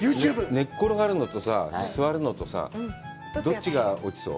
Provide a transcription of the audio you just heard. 寝っ転がるのとさ、座るのとさ、どっちが落ちそう？